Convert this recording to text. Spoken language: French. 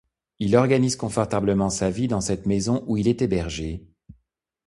Il organise confortablement sa vie dans cette maison où il est hébergé.